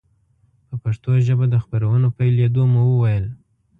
په پښتو ژبه د خپرونو پیلېدو مو وویل.